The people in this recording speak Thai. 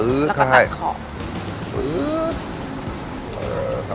แล้วก็ตัดขอบ